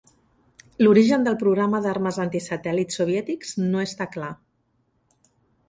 L'origen del programa d'armes antisatèl.lits soviètics no està clar.